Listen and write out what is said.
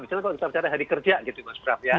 misalnya kalau misalnya hari kerja gitu mas